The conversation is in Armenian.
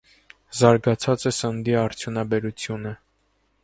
Զարգացած է սննդի արդյունաբերությունը։